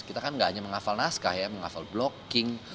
kita kan gak hanya menghafal naskah ya menghafal blocking